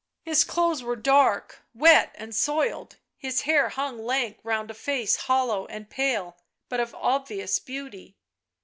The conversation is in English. His clothes were dark, wet and soiled, his hair hung lank round a face hollow and pale but of obvious beauty.